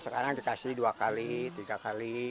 sekarang dikasih dua x tiga x